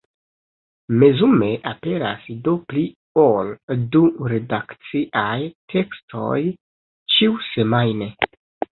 Mezume aperas do pli ol du redakciaj tekstoj ĉiusemajne.